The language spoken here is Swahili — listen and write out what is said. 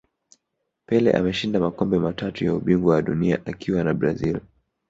pele ameshinda makombe matatu ya ubingwa wa dunia akiwa na brazil